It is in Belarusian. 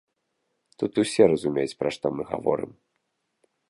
Тут усе разумеюць, пра што мы гаворым.